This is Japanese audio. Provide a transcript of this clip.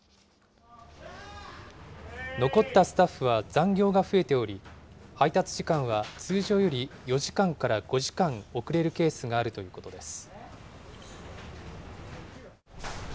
残ったスタッフは残業が増えており、配達時間は通常より４時間から５時間、遅れるケースがあるということです。